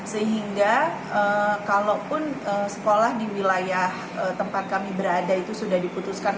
sehingga kalaupun sekolah di wilayah tempat kami berada itu sudah diputuskan